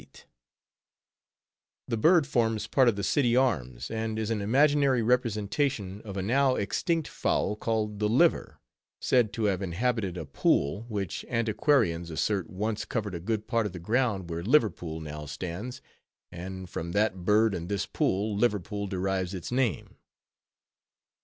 _ The bird forms part of the city arms, and is an imaginary representation of a now extinct fowl, called the "Liver," said to have inhabited a "pool," which antiquarians assert once covered a good part of the ground where Liverpool now stands; and from that bird, and this pool, Liverpool derives its name.